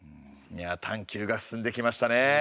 いや探究が進んできましたね。